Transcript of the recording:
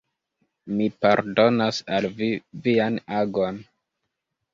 Mi pardonas al vi vian agon.